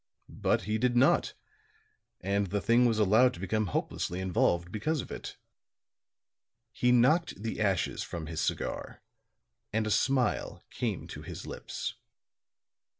But he did not, and the thing was allowed to become hopelessly involved because of it." He knocked the ashes from his cigar; and a smile came to his lips.